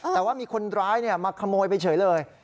แต่ว่ามีคนร้ายมาขโมยไปเฉยเลย